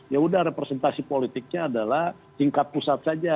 ya udah representasi politiknya adalah tingkat pusat saja